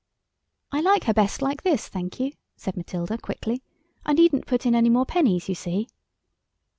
"I like her best like this, thank you," said Matilda quickly. "I needn't put in any more pennies, you see."